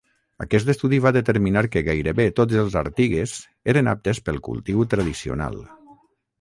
Aquest estudi va determinar que gairebé tots els Artigues eren aptes pel cultiu tradicional.